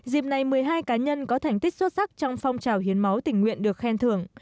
dịp này một mươi hai cá nhân có thành tích xuất sắc trong phong trào hiến máu tình nguyện được khen thưởng